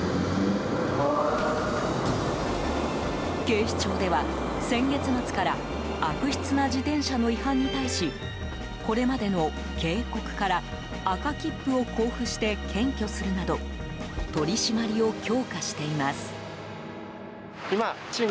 警視庁では、先月末から悪質な自転車の違反に対しこれまでの警告から赤切符を交付して検挙するなど取り締まりを強化しています。